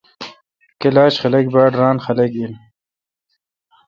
کلاش خلق باڑ ران خلق این۔